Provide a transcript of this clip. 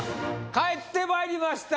帰ってまいりました